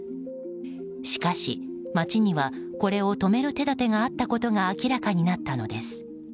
しかし町にはこれを止める手立てがあったことが明らかになったのです。